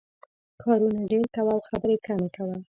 کارونه ډېر کوه او خبرې کمې کوه.